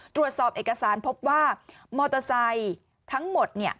ตรวจสอบเอกสารพบว่ามอเตอร์ไซค์ทั้งหมดเนี่ย